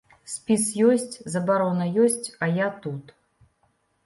Спіс ёсць, забарона ёсць, а я тут.